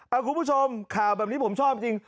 คุณผู้ชมข่าวแบบนี้ผมชอบจริง